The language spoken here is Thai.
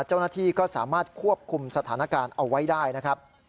เจ้าหน้าที่ก็สามารถควบคุมสถานการณ์เอาไว้ได้นะครับ